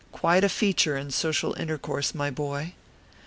Quite a feature in social intercourse, my boy.